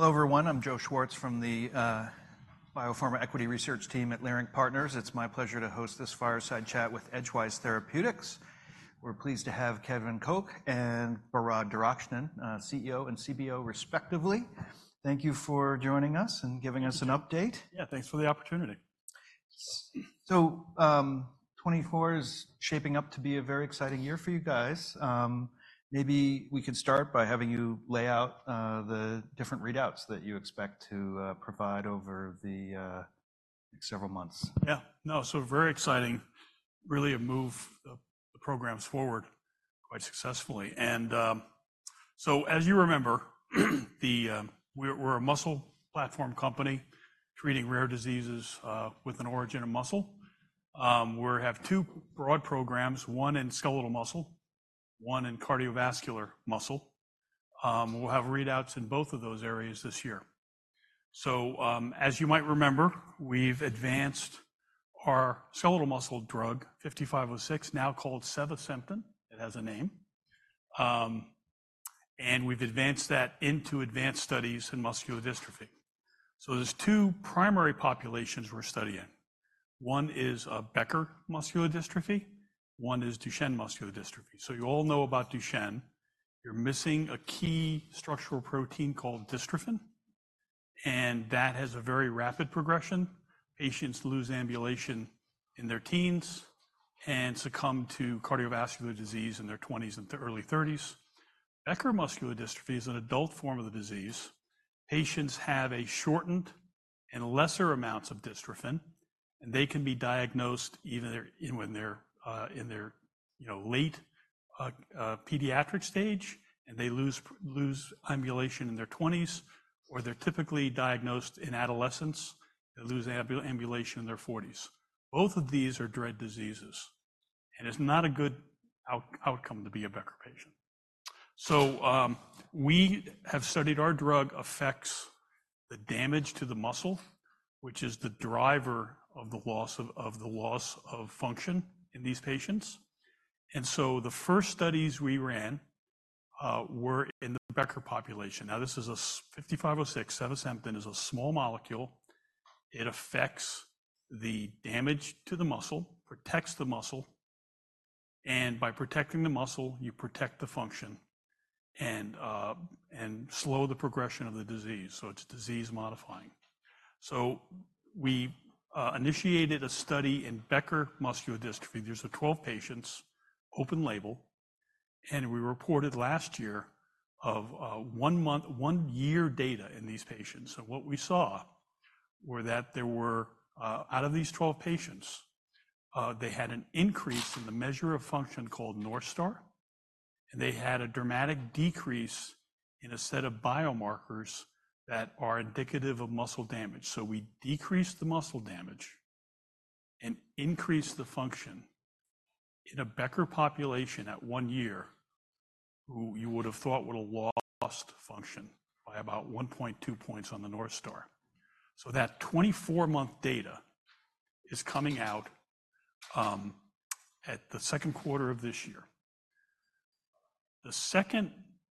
Hello everyone. I'm Joe Schwartz from the Biopharma Equity Research Team at Leerink Partners. It's my pleasure to host this fireside chat with Edgewise Therapeutics. We're pleased to have Kevin Koch and Behrad Derakhshan, CEO and CBO, respectively. Thank you for joining us and giving us an update. Yeah, thanks for the opportunity. 2024 is shaping up to be a very exciting year for you guys. Maybe we can start by having you lay out the different readouts that you expect to provide over the next several months. Yeah. No, so very exciting. Really have moved the programs forward quite successfully. And so as you remember, we're a muscle platform company treating rare diseases with an origin in muscle. We have two broad programs, one in skeletal muscle, one in cardiovascular muscle. We'll have readouts in both of those areas this year. So as you might remember, we've advanced our skeletal muscle drug 5506, now called sevasemten. It has a name. And we've advanced that into advanced studies in muscular dystrophy. So there's two primary populations we're studying. One is Becker muscular dystrophy. One is Duchenne muscular dystrophy. So you all know about Duchenne. You're missing a key structural protein called dystrophin. And that has a very rapid progression. Patients lose ambulation in their teens and succumb to cardiovascular disease in their 20s and early 30s. Becker muscular dystrophy is an adult form of the disease. Patients have a shortened and lesser amount of dystrophin. They can be diagnosed even when they're in their late pediatric stage and they lose ambulation in their 20s or they're typically diagnosed in adolescence. They lose ambulation in their 40s. Both of these are dread diseases. It's not a good outcome to be a Becker patient. We have studied our drug affects the damage to the muscle, which is the driver of the loss of function in these patients. The first studies we ran were in the Becker population. Now this is a 5506. Sevasemten is a small molecule. It affects the damage to the muscle, protects the muscle. By protecting the muscle, you protect the function and slow the progression of the disease. It's disease modifying. We initiated a study in Becker muscular dystrophy. There's 12 patients, open label. We reported last year of one year data in these patients. What we saw were that there were out of these 12 patients, they had an increase in the measure of function called North Star. They had a dramatic decrease in a set of biomarkers that are indicative of muscle damage. So we decreased the muscle damage and increased the function in a Becker population at 1 year who you would have thought would have lost function by about 1.2 points on the North Star. So that 24-month data is coming out at the Q2 of this year. The second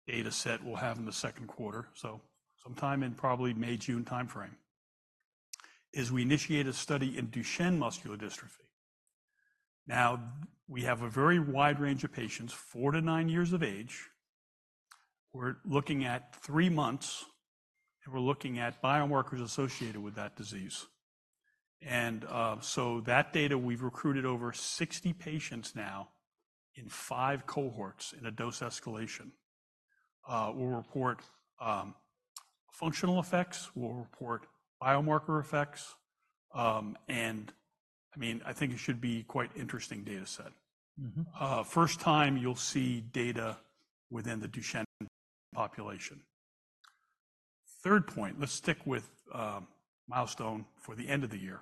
data set we'll have in the Q2, so sometime in probably May-June timeframe, is we initiated a study in Duchenne muscular dystrophy. Now we have a very wide range of patients, 4-9 years of age. We're looking at three months. We're looking at biomarkers associated with that disease. So that data, we've recruited over 60 patients now in 5 cohorts in a dose escalation. We'll report functional effects. We'll report biomarker effects. And I mean, I think it should be quite an interesting data set. First time you'll see data within the Duchenne population. Third point, let's stick with milestone for the end of the year.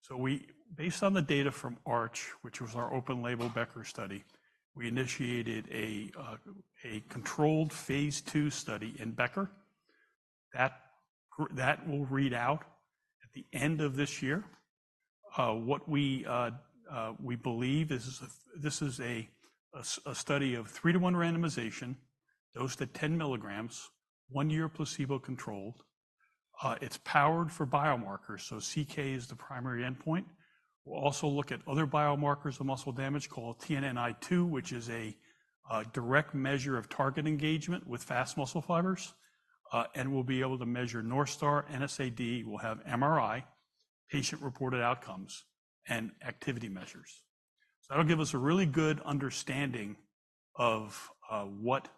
So based on the data from ARCH, which was our open-label Becker study, we initiated a controlled phase II study in Becker. That will read out at the end of this year. What we believe this is a study of 3-to-1 randomization, dosed at 10 milligrams, 1-year placebo-controlled. It's powered for biomarkers. So CK is the primary endpoint. We'll also look at other biomarkers of muscle damage called TNNI2, which is a direct measure of target engagement with fast muscle fibers. And we'll be able to measure North Star, NSAA. We'll have MRI, patient-reported outcomes, and activity measures. So that'll give us a really good understanding of what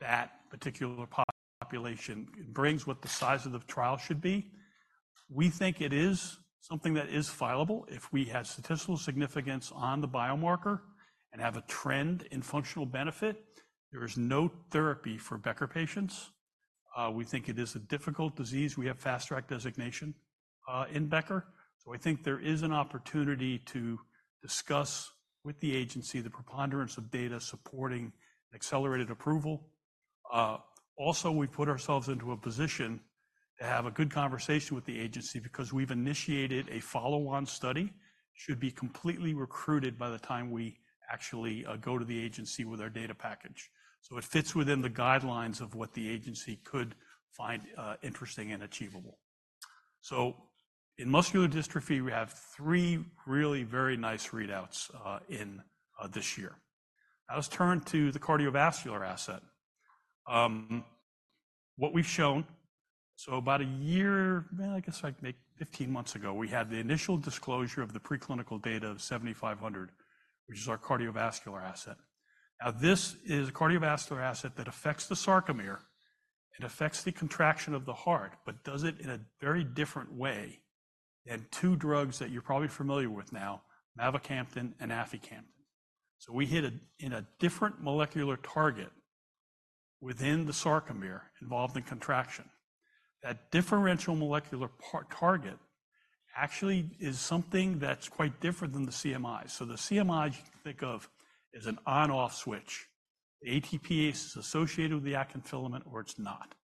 that particular population brings, what the size of the trial should be. We think it is something that is fileable if we have statistical significance on the biomarker and have a trend in functional benefit. There is no therapy for Becker patients. We think it is a difficult disease. We have fast track designation in Becker. So I think there is an opportunity to discuss with the agency the preponderance of data supporting accelerated approval. Also, we've put ourselves into a position to have a good conversation with the agency because we've initiated a follow-on study. It should be completely recruited by the time we actually go to the agency with our data package. So it fits within the guidelines of what the agency could find interesting and achievable. So in muscular dystrophy, we have three really very nice readouts in this year. Now let's turn to the cardiovascular asset. What we've shown, so about a year, man, I guess I'd say 15 months ago, we had the initial disclosure of the preclinical data of 7500, which is our cardiovascular asset. Now this is a cardiovascular asset that affects the sarcomere. It affects the contraction of the heart but does it in a very different way than two drugs that you're probably familiar with now, mavacamten and aficamten. So we hit a different molecular target within the sarcomere involved in contraction. That differential molecular target actually is something that's quite different than the CMI. So the CMI you can think of as an on-off switch. The ATPase is associated with the actin filament or it's not.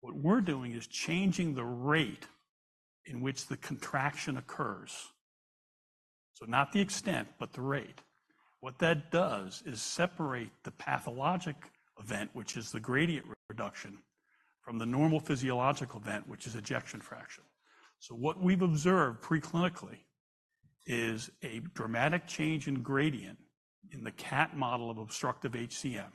What we're doing is changing the rate in which the contraction occurs. So not the extent but the rate. What that does is separate the pathologic event, which is the gradient reduction, from the normal physiological event, which is ejection fraction. So what we've observed preclinically is a dramatic change in gradient in the CAT model of obstructive HCM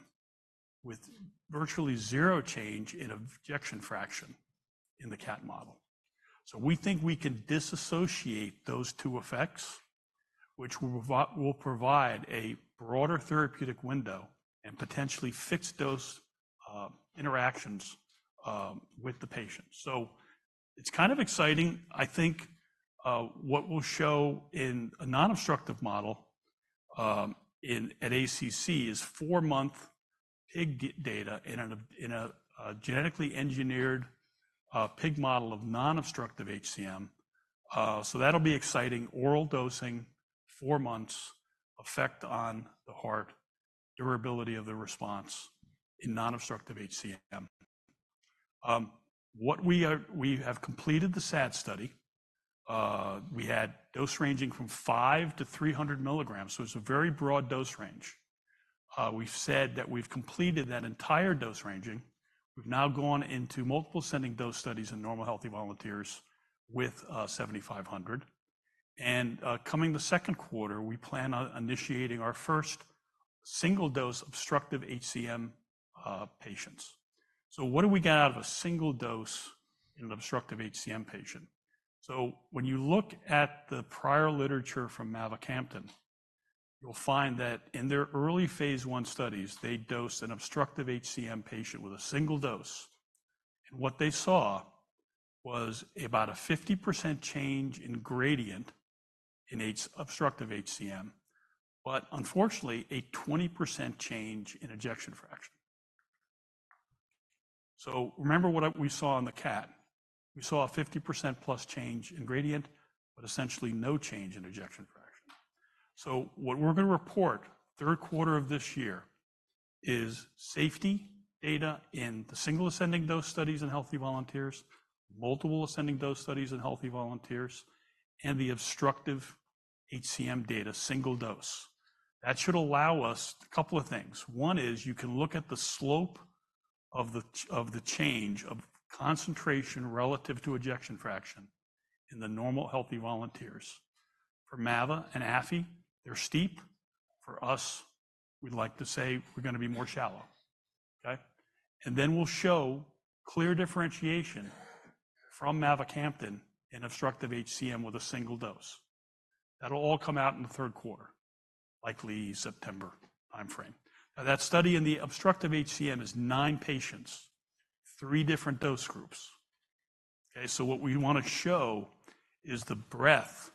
with virtually zero change in ejection fraction in the CAT model. So we think we can disassociate those two effects, which will provide a broader therapeutic window and potentially fixed-dose interactions with the patient. So it's kind of exciting. I think what we'll show in a non-obstructive model at ACC is four-month pig data in a genetically engineered pig model of non-obstructive HCM. So that'll be exciting. Oral dosing, four months, effect on the heart, durability of the response in non-obstructive HCM. We have completed the SAD study. We had dose ranging from 5 to 300 milligrams. So it's a very broad dose range. We've said that we've completed that entire dose ranging. We've now gone into multiple ascending dose studies in normal healthy volunteers with EDG-7500. And coming the Q2, we plan on initiating our first single-dose obstructive HCM patients. So what do we get out of a single dose in an obstructive HCM patient? So when you look at the prior literature from mavacamten, you'll find that in their early phase I studies, they dosed an obstructive HCM patient with a single dose. And what they saw was about a 50% change in gradient in obstructive HCM but unfortunately a 20% change in ejection fraction. So remember what we saw in the CAT. We saw a 50%+ change in gradient but essentially no change in ejection fraction. So what we're going to report Q3 of this year is safety data in the single ascending dose studies in healthy volunteers, multiple ascending dose studies in healthy volunteers, and the obstructive HCM data, single dose. That should allow us a couple of things. One is you can look at the slope of the change of concentration relative to ejection fraction in the normal healthy volunteers. For MAVA and AFI, they're steep. For us, we'd like to say we're going to be more shallow. Okay? And then we'll show clear differentiation from mavacamten in obstructive HCM with a single dose. That'll all come out in the Q3, likely September timeframe. Now that study in the obstructive HCM is nine patients, three different dose groups. Okay? So what we want to show is the breadth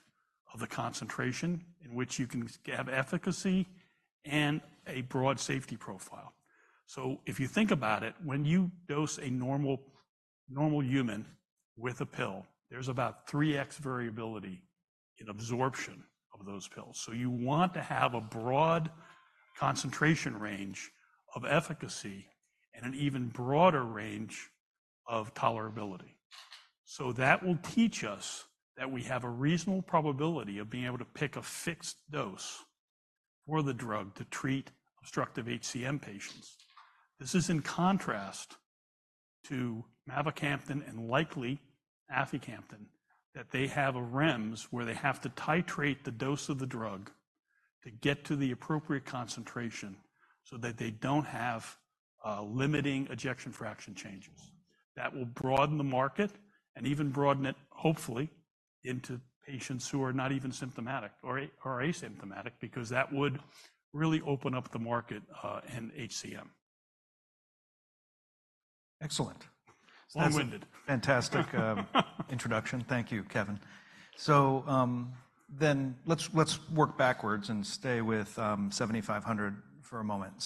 of the concentration in which you can have efficacy and a broad safety profile. So if you think about it, when you dose a normal human with a pill, there's about 3x variability in absorption of those pills. So you want to have a broad concentration range of efficacy and an even broader range of tolerability. So that will teach us that we have a reasonable probability of being able to pick a fixed dose for the drug to treat obstructive HCM patients. This is in contrast to mavacamten and likely aficamten that they have a REMS where they have to titrate the dose of the drug to get to the appropriate concentration so that they don't have limiting ejection fraction changes. That will broaden the market and even broaden it, hopefully, into patients who are not even symptomatic or asymptomatic because that would really open up the market in HCM. Excellent. Long-winded. Fantastic introduction. Thank you, Kevin. So then let's work backwards and stay with 7,500 for a moment.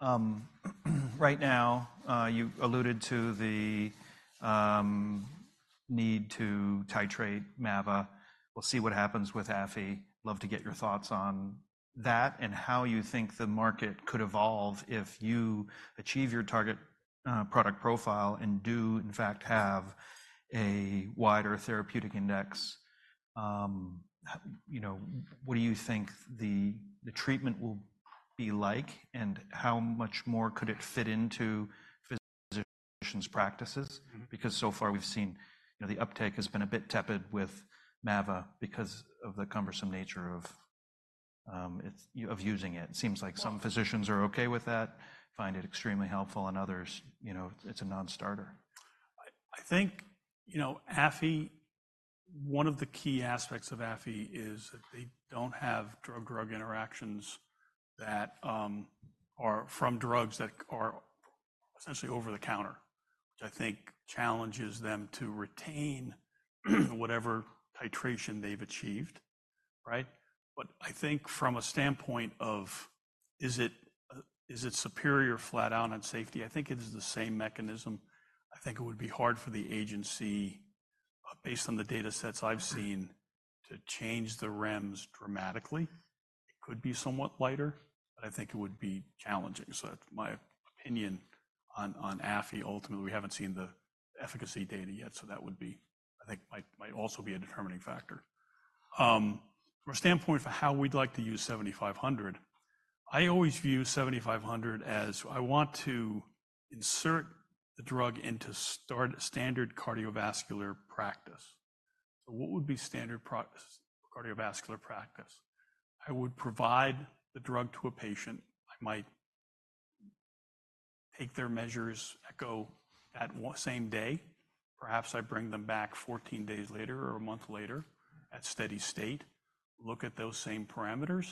So right now, you alluded to the need to titrate MAVA. We'll see what happens with AFI. Love to get your thoughts on that and how you think the market could evolve if you achieve your target product profile and do, in fact, have a wider therapeutic index. What do you think the treatment will be like? And how much more could it fit into physicians' practices? Because so far we've seen the uptake has been a bit tepid with MAVA because of the cumbersome nature of using it. It seems like some physicians are okay with that, find it extremely helpful, and others, it's a nonstarter. I think AFI, one of the key aspects of AFI is that they don't have drug-drug interactions that are from drugs that are essentially over-the-counter, which I think challenges them to retain whatever titration they've achieved. Right? But I think from a standpoint of is it superior flat-out on safety, I think it is the same mechanism. I think it would be hard for the agency, based on the data sets I've seen, to change the REMS dramatically. It could be somewhat lighter. But I think it would be challenging. So that's my opinion on AFI ultimately. We haven't seen the efficacy data yet. So that would be, I think, might also be a determining factor. From a standpoint for how we'd like to use 7500, I always view 7500 as I want to insert the drug into standard cardiovascular practice. So what would be standard cardiovascular practice? I would provide the drug to a patient. I might take their measures, echo that same day. Perhaps I bring them back 14 days later or a month later at steady state, look at those same parameters,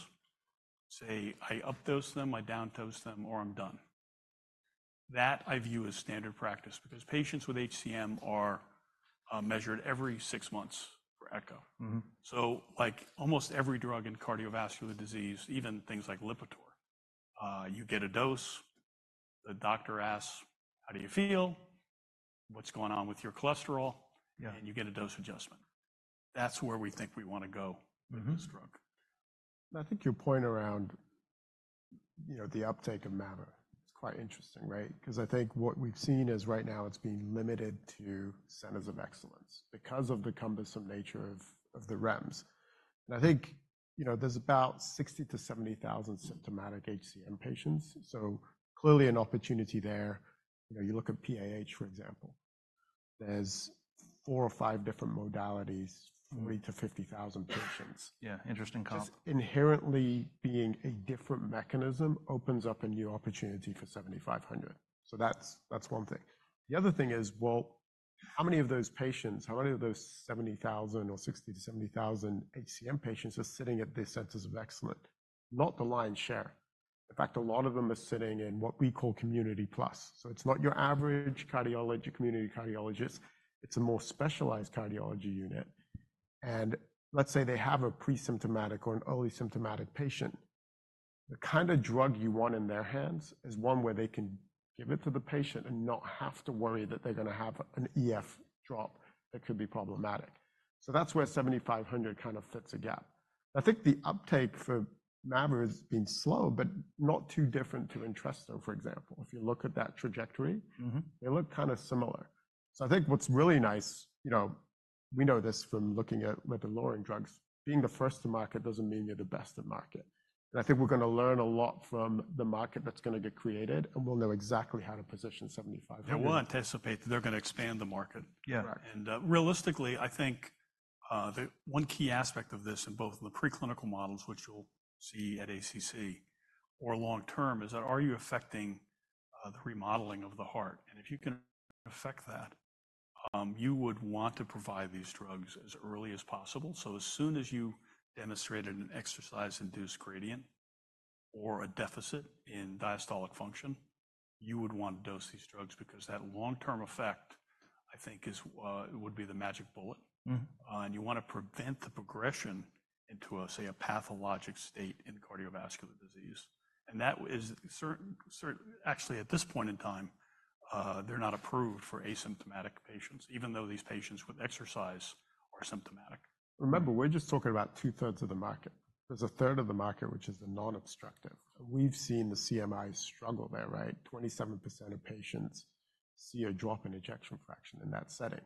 say, I updose them, I downdose them, or I'm done. That I view as standard practice because patients with HCM are measured every 6 months for echo. So like almost every drug in cardiovascular disease, even things like Lipitor, you get a dose. The doctor asks, "How do you feel? What's going on with your cholesterol?" And you get a dose adjustment. That's where we think we want to go with this drug. I think your point around the uptake of MAVA is quite interesting. Right? Because I think what we've seen is right now it's being limited to centers of excellence because of the cumbersome nature of the REMS. And I think there's about 60,000-70,000 symptomatic HCM patients. So clearly an opportunity there. You look at PAH, for example. There's four or five different modalities, 40,000-50,000 patients. Yeah. Interesting comp. Just inherently being a different mechanism opens up a new opportunity for 7,500. So that's one thing. The other thing is, well, how many of those patients, how many of those 70,000 or 60,000-70,000 HCM patients are sitting at these centers of excellence? Not the lion's share. In fact, a lot of them are sitting in what we call community plus. So it's not your average community cardiologist. It's a more specialized cardiology unit. Let's say they have a pre-symptomatic or an early symptomatic patient. The kind of drug you want in their hands is one where they can give it to the patient and not have to worry that they're going to have an EF drop that could be problematic. So that's where 7,500 kind of fits a gap. I think the uptake for MAVA has been slow but not too different to Entresto, for example. If you look at that trajectory, they look kind of similar. So I think what's really nice, we know this from looking at me-too drugs, being the first to market doesn't mean you're the best at market. And I think we're going to learn a lot from the market that's going to get created. And we'll know exactly how to position 7,500. Yeah. We'll anticipate that they're going to expand the market. Realistically, I think one key aspect of this in both the preclinical models, which you'll see at ACC, or long-term, is that are you affecting the remodeling of the heart? If you can affect that, you would want to provide these drugs as early as possible. As soon as you demonstrated an exercise-induced gradient or a deficit in diastolic function, you would want to dose these drugs because that long-term effect, I think, would be the magic bullet. You want to prevent the progression into, say, a pathologic state in cardiovascular disease. Actually, at this point in time, they're not approved for asymptomatic patients even though these patients with exercise are symptomatic. Remember, we're just talking about two-thirds of the market. There's a third of the market which is the non-obstructive. We've seen the CMI struggle there. Right? 27% of patients see a drop in ejection fraction in that setting.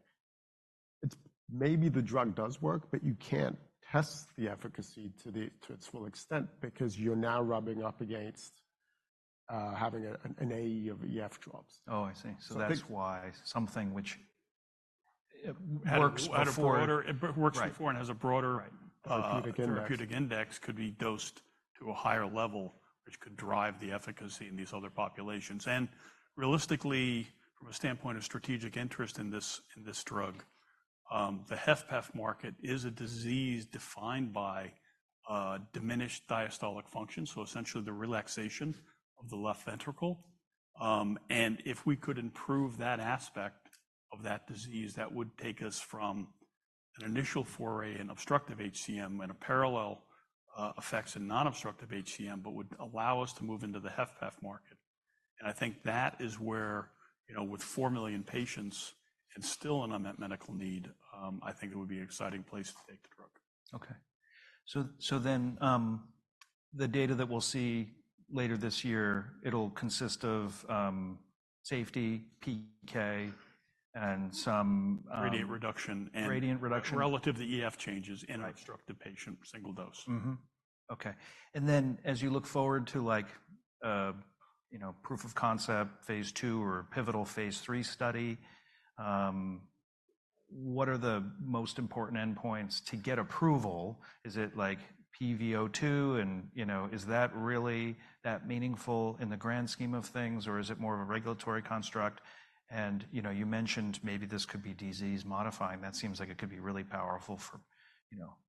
Maybe the drug does work, but you can't test the efficacy to its full extent because you're now rubbing up against having an AE of EF drops. Oh, I see. So that's why something which works before and has a broader therapeutic index could be dosed to a higher level which could drive the efficacy in these other populations. And realistically, from a standpoint of strategic interest in this drug, the HFpEF market is a disease defined by diminished diastolic function. So essentially, the relaxation of the left ventricle. And if we could improve that aspect of that disease, that would take us from an initial foray in obstructive HCM and parallel effects in non-obstructive HCM but would allow us to move into the HFpEF market. I think that is where, with 4 million patients and still in unmet medical need, I think it would be an exciting place to take the drug. Okay. Then the data that we'll see later this year, it'll consist of safety, PK, and some gradient reduction relative to EF changes in an obstructive patient single dose. Okay. Then as you look forward to proof of concept phase II or pivotal phase III study, what are the most important endpoints to get approval? Is it pVO2? And is that really that meaningful in the grand scheme of things? Or is it more of a regulatory construct? And you mentioned maybe this could be disease-modifying. That seems like it could be really powerful for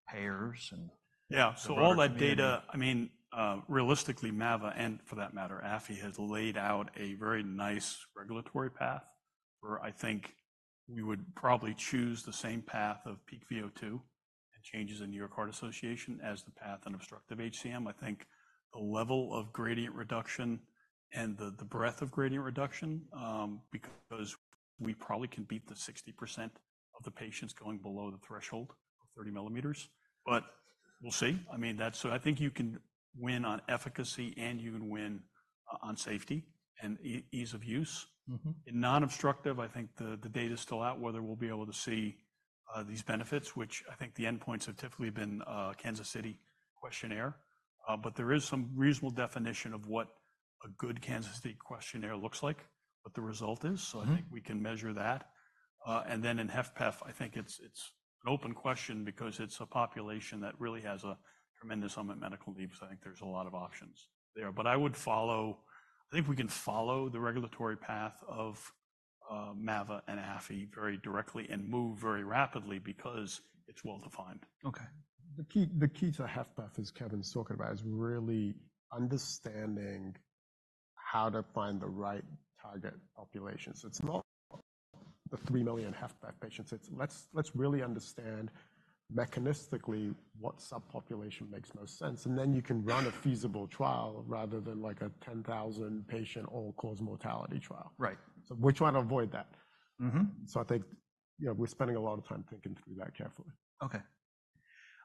payers and so forth. Yeah. So all that data, I mean, realistically, MAVA and for that matter, AFI has laid out a very nice regulatory path where I think we would probably choose the same path of PVO2 and changes in New York Heart Association as the path in obstructive HCM. I think the level of gradient reduction and the breadth of gradient reduction because we probably can beat the 60% of the patients going below the threshold of 30 millimeters. But we'll see. I mean, so I think you can win on efficacy and you can win on safety and ease of use. In non-obstructive, I think the data's still out whether we'll be able to see these benefits, which I think the endpoints have typically been Kansas City Questionnaire. But there is some reasonable definition of what a good Kansas City Questionnaire looks like, what the result is. So I think we can measure that. And then in HFpEF, I think it's an open question because it's a population that really has a tremendous unmet medical need. So I think there's a lot of options there. But I would follow. I think we can follow the regulatory path of MAVA and AFI very directly and move very rapidly because it's well-defined. Okay. The key to HFpEF, as Kevin's talking about, is really understanding how to find the right target population. So it's not the 3 million HFpEF patients. It's, "Let's really understand mechanistically what subpopulation makes most sense." And then you can run a feasible trial rather than a 10,000-patient all-cause mortality trial. So we're trying to avoid that. So I think we're spending a lot of time thinking through that carefully. Okay.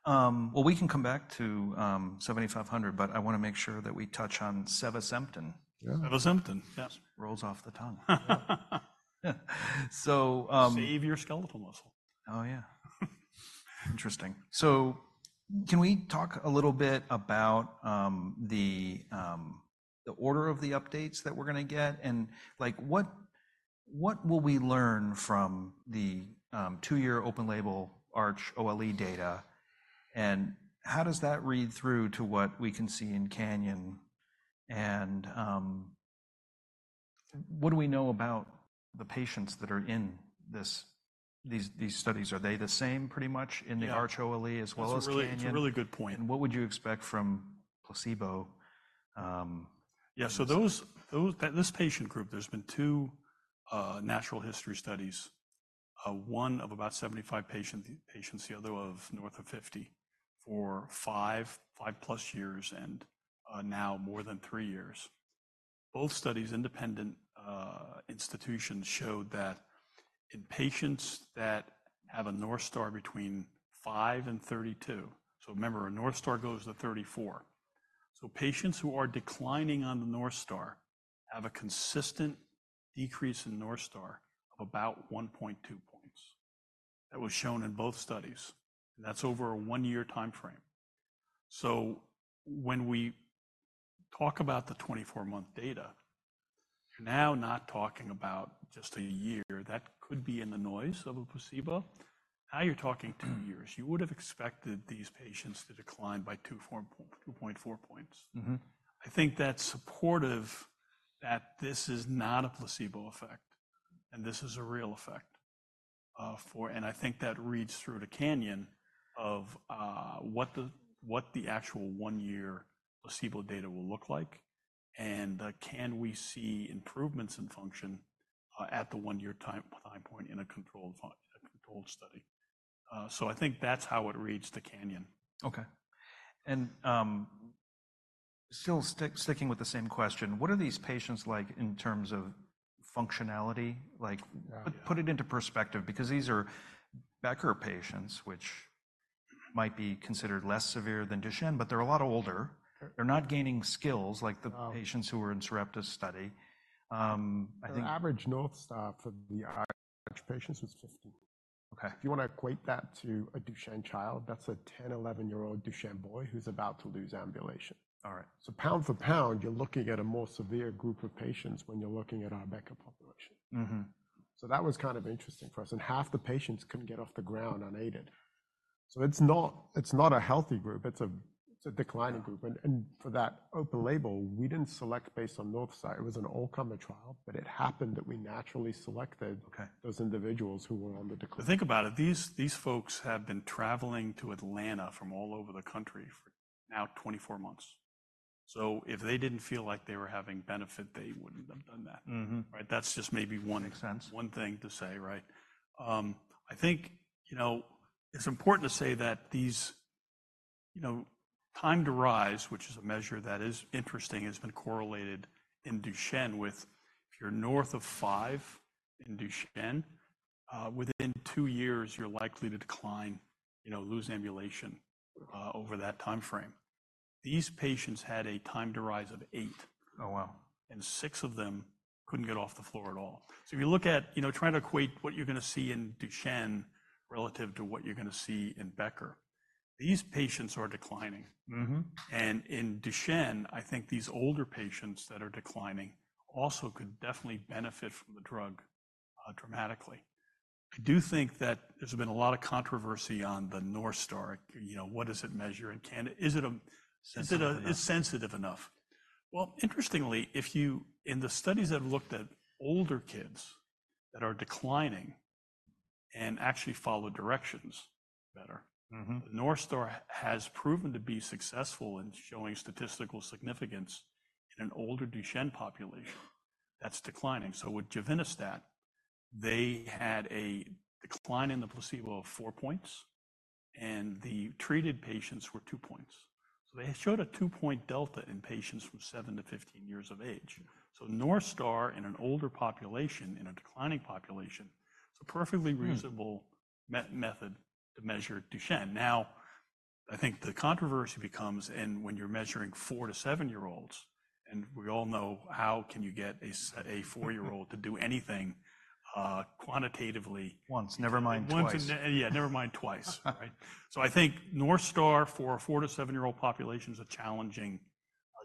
Well, we can come back to 7,500. But I want to make sure that we touch on sevasemten. Sevasemten, yes. Rolls off the tongue. Save your skeletal muscle. Oh, yeah. Interesting. So can we talk a little bit about the order of the updates that we're going to get? And what will we learn from the two year open-label ARCH OLE data? And how does that read through to what we can see in CANYON? And what do we know about the patients that are in these studies? Are they the same pretty much in the ARCH OLE as well as CANYON? That's a really good point. And what would you expect from placebo? Yeah. So this patient group, there's been two natural history studies, one of about 75 patients, the other of north of 50, for 5+ years and now more than 3 years. Both studies, independent institutions, showed that in patients that have a North Star between 5 and 32, so remember, a North Star goes to 34. So patients who are declining on the North Star have a consistent decrease in North Star of about 1.2 points. That was shown in both studies. And that's over a one-year time frame. So when we talk about the 24-month data, you're now not talking about just a year. That could be in the noise of a placebo. Now you're talking 2 years. You would have expected these patients to decline by 2.4 points. I think that's supportive that this is not a placebo effect. And this is a real effect. And I think that reads through to CANYON of what the actual one-year placebo data will look like. And can we see improvements in function at the one-year time point in a controlled study? So I think that's how it reads to CANYON. Okay. And still sticking with the same question, what are these patients like in terms of functionality? Put it into perspective because these are Becker patients which might be considered less severe than Duchenne. But they're a lot older. They're not gaining skills like the patients who were in Sarepta's study. I think the average North Star for the ARCH patients was 50. If you want to equate that to a Duchenne child, that's a 10, 11-year-old Duchenne boy who's about to lose ambulation. So pound for pound, you're looking at a more severe group of patients when you're looking at our Becker population. So that was kind of interesting for us. And half the patients couldn't get off the ground unaided. So it's not a healthy group. It's a declining group. For that open label, we didn't select based on North Star. It was an all-comer trial. It happened that we naturally selected those individuals who were on the decline. Think about it. These folks have been traveling to Atlanta from all over the country for now 24 months. If they didn't feel like they were having benefit, they wouldn't have done that. Right? That's just maybe one thing to say. Right? I think it's important to say that these time to rise, which is a measure that is interesting, has been correlated in Duchenne with if you're north of five in Duchenne, within two years, you're likely to decline, lose ambulation over that time frame. These patients had a time to rise of eight. And six of them couldn't get off the floor at all. So if you look at trying to equate what you're going to see in Duchenne relative to what you're going to see in Becker, these patients are declining. And in Duchenne, I think these older patients that are declining also could definitely benefit from the drug dramatically. I do think that there's been a lot of controversy on the North Star. What does it measure? And is it sensitive enough? Well, interestingly, in the studies that have looked at older kids that are declining and actually follow directions better. The North Star has proven to be successful in showing statistical significance in an older Duchenne population that's declining. So with givinostat, they had a decline in the placebo of 4 points. And the treated patients were 2 points. So they showed a 2-point delta in patients from 7 to 15 years of age. So North Star in an older population, in a declining population, is a perfectly reasonable method to measure Duchenne. Now, I think the controversy becomes when you're measuring 4- to 7-year-olds. And we all know how can you get a 4-year-old to do anything quantitatively once, yeah, never mind twice. Right? So I think North Star for a 4- to 7-year-old population is a challenging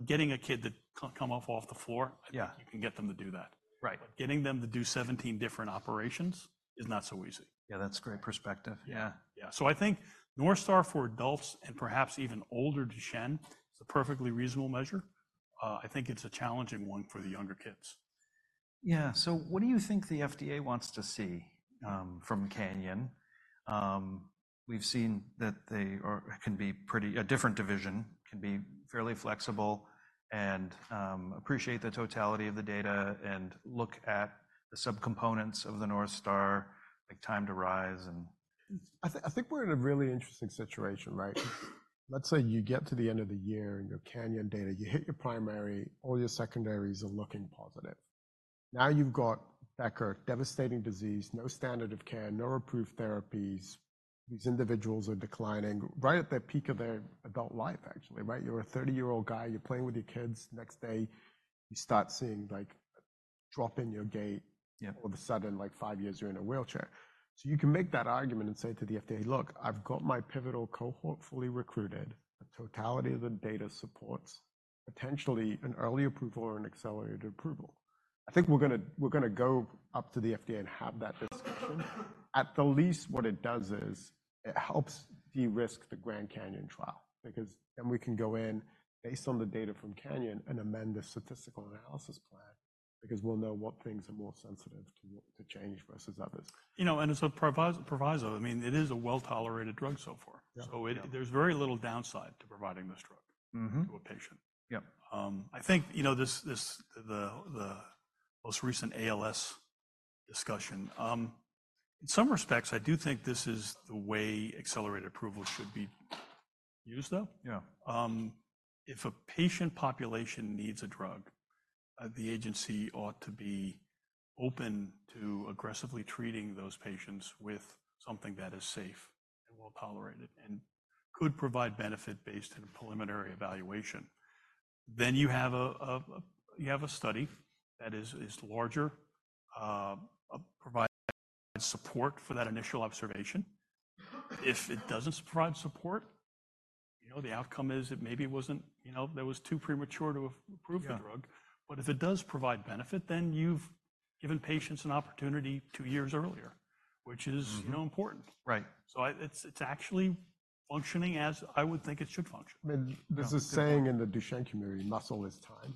getting a kid to come off the floor, you can get them to do that. But getting them to do 17 different operations is not so easy. Yeah. That's a great perspective. Yeah. Yeah. So I think North Star for adults and perhaps even older Duchenne is a perfectly reasonable measure. I think it's a challenging one for the younger kids. Yeah. So what do you think the FDA wants to see from CANYON? We've seen that they can be pretty, a different division can be fairly flexible and appreciate the totality of the data and look at the subcomponents of the North Star, like time to rise, and I think we're in a really interesting situation. Right? Let's say you get to the end of the year in your Canyon data. You hit your primary. All your secondaries are looking positive. Now you've got Becker, devastating disease, no standard of care, no approved therapies. These individuals are declining right at the peak of their adult life, actually. Right? You're a 30-year-old guy. You're playing with your kids. Next day, you start seeing a drop in your gait. All of a sudden, 5 years, you're in a wheelchair. So you can make that argument and say to the FDA, "Look, I've got my pivotal cohort fully recruited. The totality of the data supports potentially an early approval or an accelerated approval." I think we're going to go up to the FDA and have that discussion. At the least, what it does is it helps de-risk the GRAND CANYON trial. We can go in, based on the data from CANYON, and amend the statistical analysis plan because we'll know what things are more sensitive to change versus others. It's a proviso. I mean, it is a well-tolerated drug so far. So there's very little downside to providing this drug to a patient. I think the most recent ALS discussion, in some respects, I do think this is the way accelerated approval should be used, though. If a patient population needs a drug, the agency ought to be open to aggressively treating those patients with something that is safe and well-tolerated and could provide benefit based in a preliminary evaluation. Then you have a study that is larger, provides support for that initial observation. If it doesn't provide support, the outcome is it was too premature to approve the drug. But if it does provide benefit, then you've given patients an opportunity two years earlier, which is important. So it's actually functioning as I would think it should function. I mean, this is saying in the Duchenne community, muscle is time.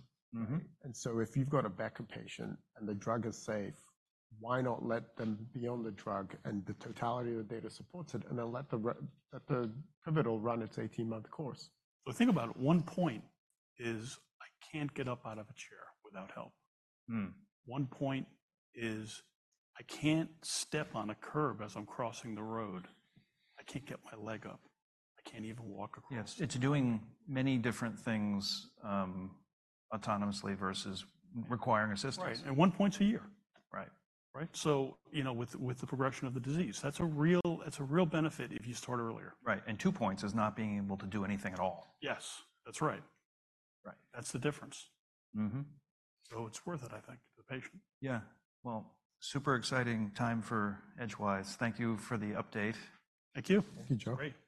And so if you've got a Becker patient and the drug is safe, why not let them be on the drug and the totality of the data supports it? And then let the pivotal run its 18-month course. So think about it. 1 point is, "I can't get up out of a chair without help." 1 point is, "I can't step on a curb as I'm crossing the road. I can't get my leg up. I can't even walk across." Yes. It's doing many different things autonomously versus requiring assistance. And 1 point's a year. Right? So with the progression of the disease, that's a real benefit if you start earlier. Right. And 2 points is not being able to do anything at all. Yes. That's right. That's the difference. So it's worth it, I think, to the patient. Yeah. Well, super exciting time for Edgewise. Thank you for the update. Thank you. Thank you, Joe. Great.